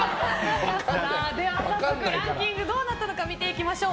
では早速、ランキングどうなったのか見ていきましょう。